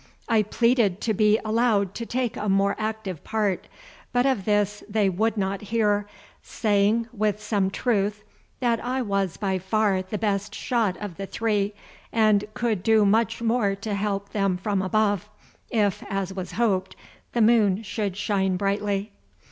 I pleaded to be allowed to take a more active part, but of this they would not hear, saying with some truth, that I was by far the best shot of the three, and could do much more to help them from above, if, as was hoped, the moon should shine brightly.